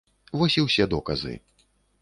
Вось і ўсе доказы.